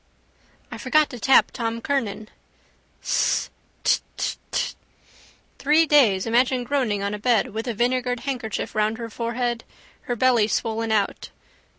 I forgot to tap Tom Kernan. Sss. Dth, dth, dth! Three days imagine groaning on a bed with a vinegared handkerchief round her forehead, her belly swollen out.